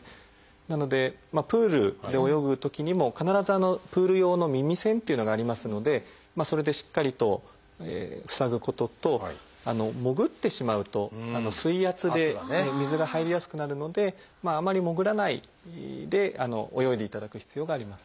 なのでプールで泳ぐときにも必ずプール用の耳栓っていうのがありますのでそれでしっかりと塞ぐことと潜ってしまうと水圧で水が入りやすくなるのでまああまり潜らないで泳いでいただく必要があります。